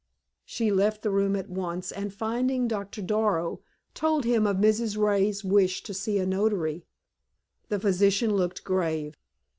She left the room at once, and finding Doctor Darrow, told him of Mrs. Ray's wish to see a notary. The physician looked grave.